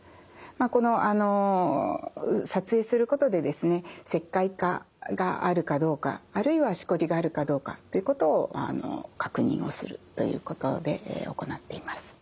この撮影することでですね石灰化があるかどうかあるいはしこりがあるかどうかということを確認をするということで行っています。